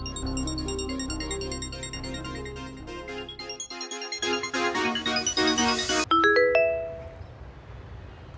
kita bisa menemukan apa yang benar benar ternyata ada